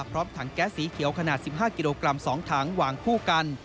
พร้อมถังแก๊สสีเขียวขนาด๑๕กิโลกรัม๒ถังวางคู่กัน